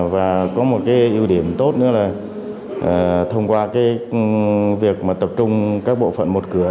và có một cái ưu điểm tốt nữa là thông qua cái việc mà tập trung các bộ phận một cửa